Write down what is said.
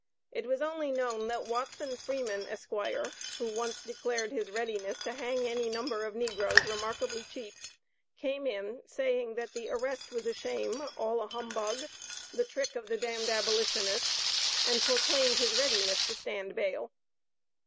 It was only known that Watson Freeman, Esq., who once declared his readiness to hang any number of negroes remarkably cheap, came in, saying that the arrest was a shame, all a humbug, the trick of the damned abolitionists, and proclaimed his readiness to stand bail.